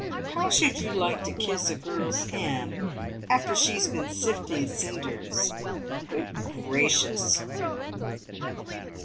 How should you like to kiss a girl's hand after she's been sifting cinders ? Good gracious